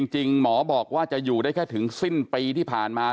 จริงหมอบอกว่าจะอยู่ได้แค่ถึงสิ้นปีที่ผ่านมา